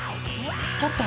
ちょっと！